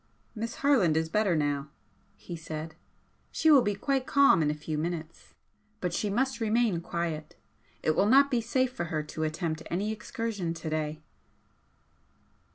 "Miss Harland is better now," he said "She will be quite calm in a few minutes. But she must remain quiet. It will not be safe for her to attempt any excursion today."